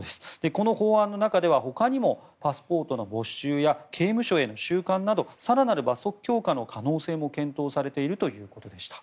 この法案の中では他にもパスポートの没収や刑務所への収監など更なる罰則強化の可能性も検討されているということでした。